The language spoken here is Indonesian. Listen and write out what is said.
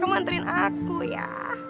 kamu anterin aku ya